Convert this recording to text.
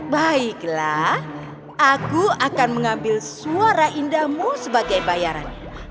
baiklah aku akan mengambil suara indahmu sebagai bayaran